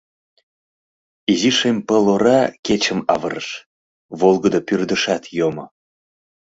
Изи шем пыл ора кечым авырыш, волгыдо пӱрдышат йомо.